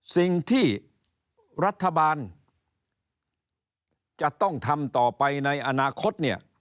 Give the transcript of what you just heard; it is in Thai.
สิ่งที่รัฐบาลจะต้องทำต่อไปในอนาคตเนี่ย